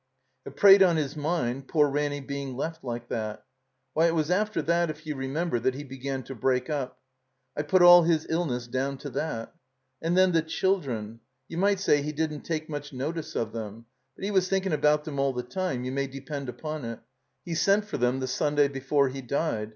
It preyed on 'is mind, poor Ranny being left like that. Why, it was after that, if you remember, that he began to break up. I put all his illness down to that. "And then the children — ^you might say he didn't take much notice of them, but 'E was thirddng about them all the time, you may depend upon it. 'E sent foir them the Sunday before he died.